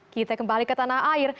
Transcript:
kita kembali ke tanah air